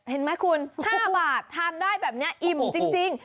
เห็นไหมคุณ๕บาททานได้แบบนี้อิ่มจริง